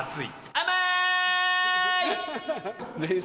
甘い！